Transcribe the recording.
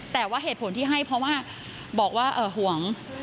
แต่ว่าเหตุผลที่ให้เพราะว่าบอกว่าห่วง